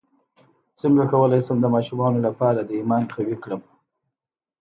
څنګه کولی شم د ماشومانو لپاره د ایمان قوي کړم